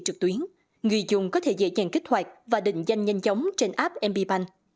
trực tuyến người dùng có thể dễ dàng kích hoạt và định danh nhanh chóng trên app mpbank